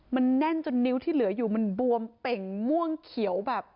มันแน่นจนนิ้วที่เหลืออยู่มันบวมเป่งม่วงเขียวแบบ